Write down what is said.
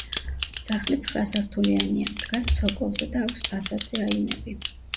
სახლი ცხრა სართულიანია, დგას ცოკოლზე და აქვს ფასადზე აივნები.